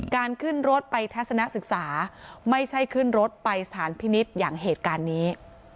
ขึ้นรถไปทัศนศึกษาไม่ใช่ขึ้นรถไปสถานพินิษฐ์อย่างเหตุการณ์นี้